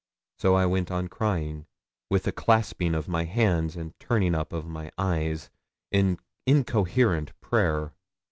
So I went on crying, with a clasping of my hands and turning up of my eyes, in incoherent prayer.